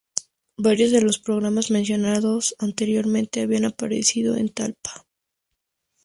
Varios de los programas mencionados anteriormente habían aparecido en Talpa.